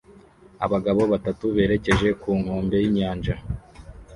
Abagabo batatu berekeje ku nkombe y'inyanja